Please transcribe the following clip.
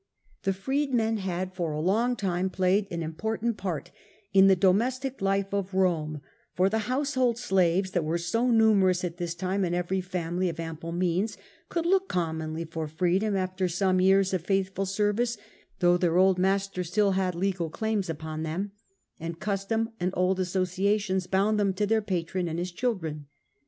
The freedmen had for a long time played an important part in the domestic life of Rome ; for the household slaves that were so numerous at this time in every family llic domes ample means could look commonly for tic^position^ freedom after some years of faithful service, men of ' though their old master still had legal claims Rome, upon them, and custom and old associations bound them to their patron and his children.